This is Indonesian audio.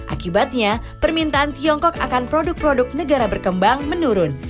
akibatnya permintaan tiongkok akan produk produk negara berkembang menurun